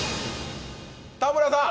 田村さん！